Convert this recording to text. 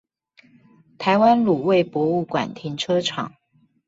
台灣滷味博物館停車場